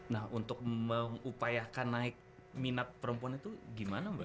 nah untuk mengupayakan naik minat perempuan itu gimana mbak